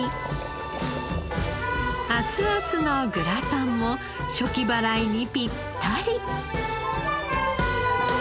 熱々のグラタンも暑気払いにピッタリ。